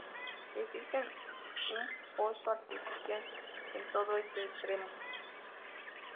Existe un foso artificial en todo este extremo.